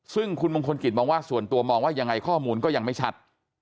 ซึ่งคุณมงคลกิจมองว่าส่วนตัวมองว่ายังไงข้อมูลก็ยังไม่ชัด